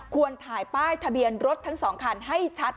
ควรถ่ายป้ายทะเบียนรถทั้ง๒คันให้ชัด